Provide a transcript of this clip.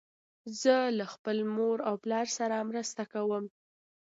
زه له خپل مور او پلار سره مرسته کوم.